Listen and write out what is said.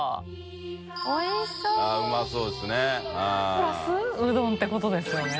プラスうどんってことですよね。